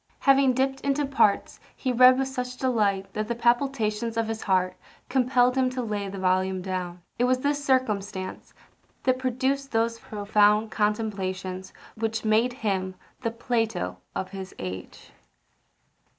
Having dipt into parts, he read with such delight that the palpitations of his heart compelled him to lay the volume down. It was this circumstance that produced those profound contemplations which made him the Plato of his age.